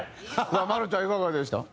マルちゃんいかがでした？